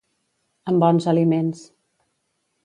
Amb bons aliments.